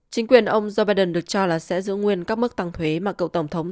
chính quyền ông joe biden được cho là sẽ giữ nguyên các mức tăng thuế mà cựu tổng thống